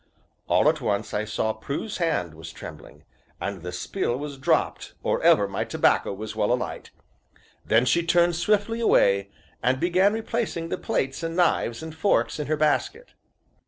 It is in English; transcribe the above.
All at once I saw Prue's hand was trembling, and the spill was dropped or ever my tobacco was well alight; then she turned swiftly away, and began replacing the plates and knives and forks in her basket.